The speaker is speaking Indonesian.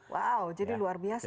wow jadi luar biasa